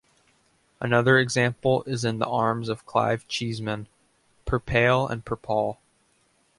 Another example is in the arms of Clive Cheesman: "per pale and per pall".